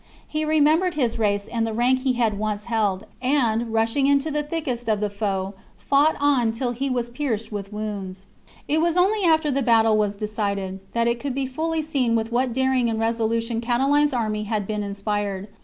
He remem bered his race and the rank he had once held, and, rushing into the thickest of the foe, fought on till he was pierced with wounds. CHAP. It was only after the battle was decided, that it could be fully seen with what daring and resolution Catiline's army had been inspired.